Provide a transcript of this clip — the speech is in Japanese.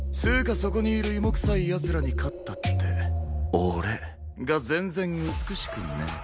そこにいる芋くさい奴らに勝ったって俺が全然美しくねえ。